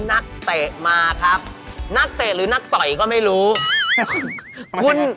นักเตะหรือนักต่อยก็ไม่รู้